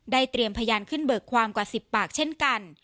เตรียมพยานขึ้นเบิกความกว่า๑๐ปากเช่นกัน